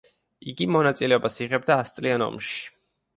იგი მონაწილეობას იღებდა ასწლიან ომში.